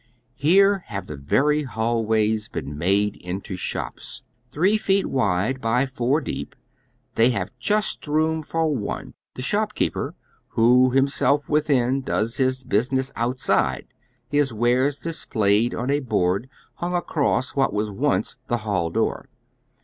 Here have the very hallways been made into shops. Three feet wide by four deep, they lia^e jnst room for one, the shop keeper, who, himself within, does his business outside, his wares displayed on a board hung across wliat was once the liall door.